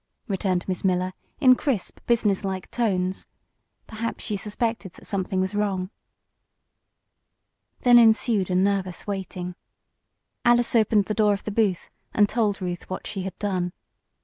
returned Miss Miller, in crisp, business like tones. Perhaps she suspected that something was wrong. Then ensued a nervous waiting. Alice opened the door of the booth and told Ruth what she had done.